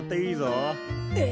え！